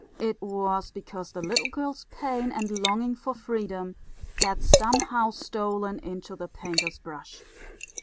It was because the little girl's pain and longing for freedom had somehow stolen into the painter's brush.